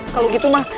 kalau gitu mah